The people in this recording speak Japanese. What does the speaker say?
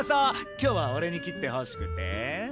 今日はおれに切ってほしくて？